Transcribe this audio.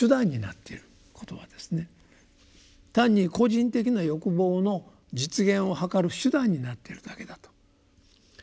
単に個人的な欲望の実現を図る手段になっているだけだと。